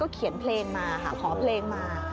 เขียนเพลงมาค่ะขอเพลงมา